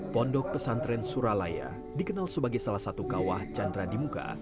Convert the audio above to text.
pondok pesantren suralaya dikenal sebagai salah satu kawah candradimuka